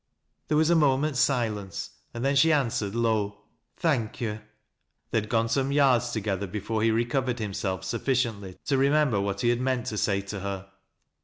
There was a moment's silence, and then she answered low. "Thankyo'I" They had gone some yards together, before he recovered himself sufficiently to remember what he had meant to sai to her.